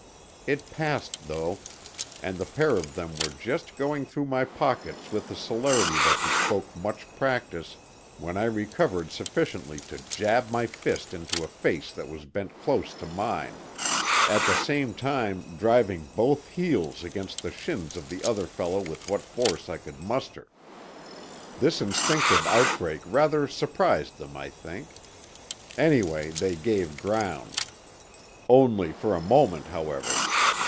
It passed though, and the pair of them were just going through my pockets with a celerity that bespoke much practice when I recovered sufficiently to jab my fist into a face that was bent close to mine—at the same time driving both heels against the shins of the other fellow with what force I could muster. This instinctive outbreak rather surprised them, I think. Anyway, they gave ground. Only for a moment, however.